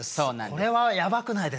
これはヤバくないですか。